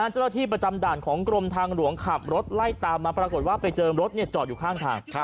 เจ้าหน้าที่ประจำด่านของกรมทางหลวงขับรถไล่ตามมาปรากฏว่าไปเจอรถจอดอยู่ข้างทาง